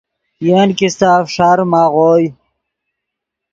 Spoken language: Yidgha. ین کیستہ فݰاریم آغوئے۔